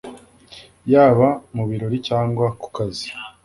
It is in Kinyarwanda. yaba mu birori cyangwa ku kazi